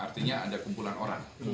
artinya ada kumpulan orang